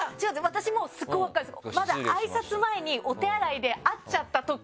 私もスゴい分かるんです。